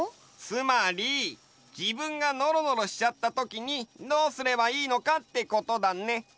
つまり自分がのろのろしちゃったときにどうすればいいのかってことだね。